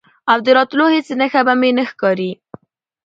او د راتلو هیڅ نښه به مې نه ښکاري،